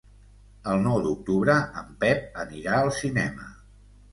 El nou d'octubre en Pep anirà al cinema.